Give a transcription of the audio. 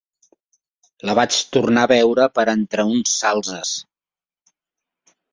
Les vaig tornar a veure per entre uns salzes